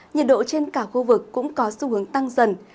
nhiệt độ trên cả khu vực cũng có xu hướng tăng dần